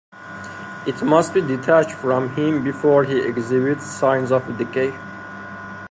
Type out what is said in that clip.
It must be detached from him before he exhibits signs of decay.